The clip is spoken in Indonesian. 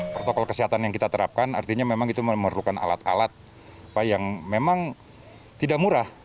protokol kesehatan yang kita terapkan artinya memang itu memerlukan alat alat yang memang tidak murah